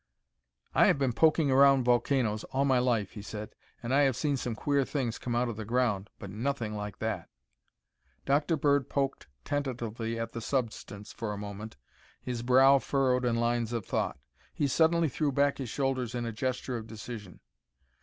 "I have been poking around volcanos all my life," he said, "and I have seen some queer things come out of the ground but nothing like that." Dr. Bird poked tentatively at the substance for a moment, his brow furrowed in lines of thought. He suddenly threw back his shoulders in a gesture of decision.